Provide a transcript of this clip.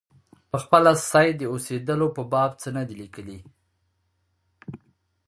پخپله سید د اوسېدلو په باب څه نه دي لیکلي.